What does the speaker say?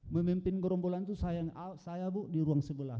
memimpin gerombolan itu saya bu di ruang sebelah